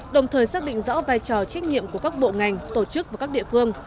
đồng thời xác định rõ vai trò trách nhiệm của các bộ ngành tổ chức và các địa phương